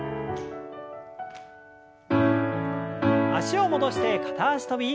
脚を戻して片脚跳び。